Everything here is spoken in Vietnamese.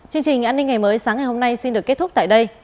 chương trình an ninh ngày mới sáng ngày hôm nay xin được kết thúc tại đây